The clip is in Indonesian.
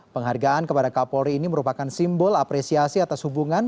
penghargaan kepada kapolri ini merupakan simbol apresiasi atas hubungan